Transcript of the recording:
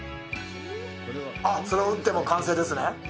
それを打って完成ですね。